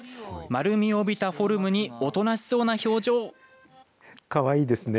丸みを帯びたフォルムにおとなしそうな表情。